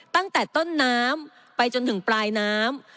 ตั้งแต่ต้นน้ำไปจนถึงปลายน้ำ